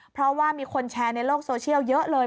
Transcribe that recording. เพราะว่ามีคนแชร์ในโลกโซเชียลเยอะเลย